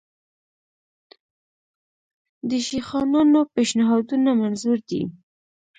د شیخانانو پېشنهادونه منظور دي.